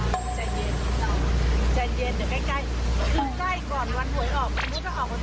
วันที่๓จะถูกก่อนข้างกลางสำเร็จ